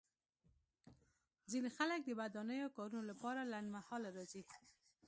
ځینې خلک د ودانیزو کارونو لپاره لنډمهاله راځي